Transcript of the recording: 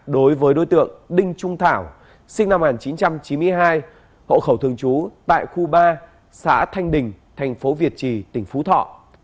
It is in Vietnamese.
đối với đối tượng đinh trung thảo sinh năm một nghìn chín trăm chín mươi hai hộ khẩu thường trú tại khu ba xã thanh đình thành phố việt trì tỉnh phú thọ